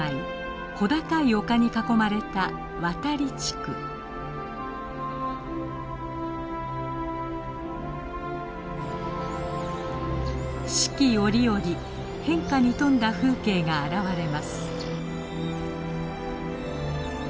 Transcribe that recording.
小高い丘に囲まれた四季折々変化に富んだ風景が現れます。